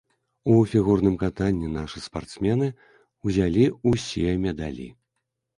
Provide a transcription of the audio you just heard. У фігурным катанні нашы спартсмены ўзялі ўсе медалі.